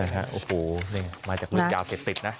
นะฮะโอ้โหนี่มาจากเมืองยาวเก็บติดนะ